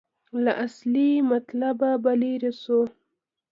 له اصلي مطلبه به لرې شو.